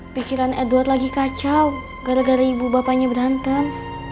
pikiran edward lagi kacau gara gara ibu bapaknya berantem